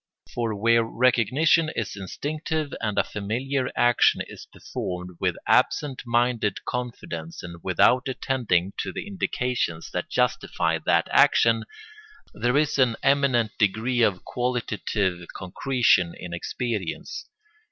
For where recognition is instinctive and a familiar action is performed with absent minded confidence and without attending to the indications that justify that action, there is in an eminent degree a qualitative concretion in experience.